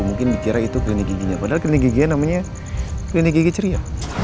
mungkin dikira itu klinik giginya padahal klinik gigi nya namanya klinik gigi ceria